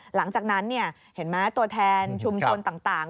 หลังจากนั้นเห็นไหมตัวแทนชุมชนต่าง